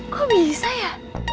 kok bisa ya